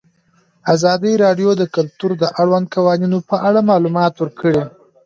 ازادي راډیو د کلتور د اړونده قوانینو په اړه معلومات ورکړي.